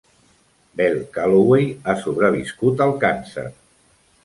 Bell Calloway ha sobreviscut al càncer.